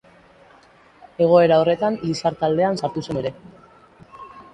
Egoera horretan Lizar taldean sartu zen ere.